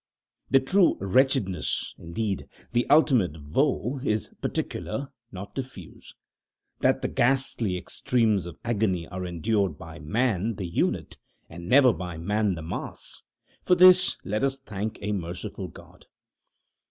The true wretchedness, indeed the ultimate woe is particular, not diffuse. That the ghastly extremes of agony are endured by man the unit, and never by man the mass for this let us thank a merciful God!